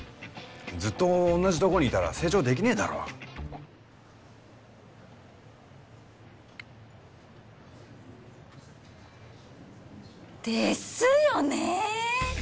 ずっと同じとこにいたら成長できねえだろ？ですよね！